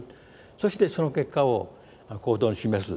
そしてその結果を行動に示す。